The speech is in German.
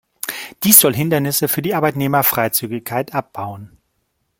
Dies soll Hindernisse für die Arbeitnehmerfreizügigkeit abbauen.